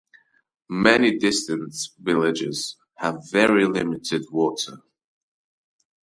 Many distant villages have very limited water.